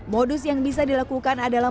modus yang bisa dilakukan adalah